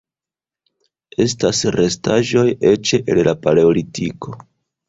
Estas restaĵoj eĉ el la Paleolitiko.